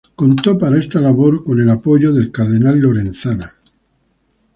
Contó para esta labor con el apoyo del cardenal Lorenzana.